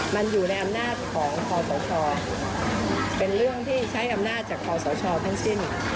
มันอยู่ในอำนาจของคอสชเป็นเรื่องที่ใช้อำนาจจากคอสชทั้งสิ้น